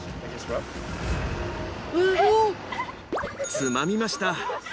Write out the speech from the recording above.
つまみました。